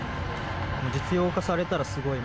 実用化されたらすごいな。